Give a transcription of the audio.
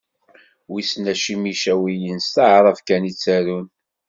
Wissen acimi Icawiyen s taɛrabt kan i ttarun.